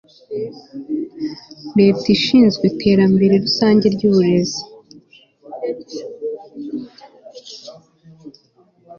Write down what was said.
leta ishinzwe iterambere rusange ry'uburezi